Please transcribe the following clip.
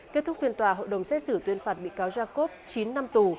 kết thúc phiên tòa hội đồng xét xử tuyên phạt bị cáo jacob chín năm tù